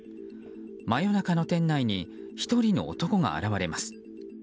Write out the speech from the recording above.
真夜中の店内に１人の男が現れます。